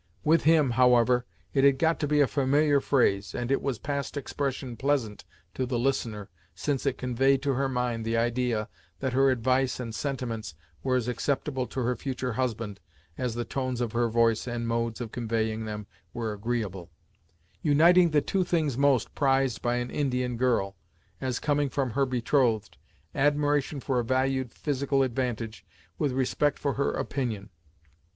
With him, however, it had got to be a familiar phrase, and it was past expression pleasant to the listener, since it conveyed to her mind the idea that her advice and sentiments were as acceptable to her future husband, as the tones of her voice and modes of conveying them were agreeable; uniting the two things most prized by an Indian girl, as coming from her betrothed, admiration for a valued physical advantage, with respect for her opinion.